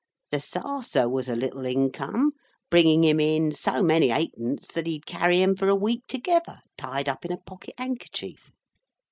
The sarser was a little income, bringing him in so many halfpence that he'd carry 'em for a week together, tied up in a pocket handkercher.